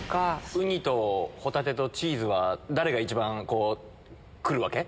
ウニとホタテとチーズは誰が一番来るわけ？